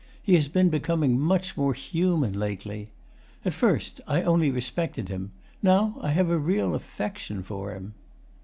He has been becoming much more HUMAN lately. At first I only respected him. Now I have a real affection for him.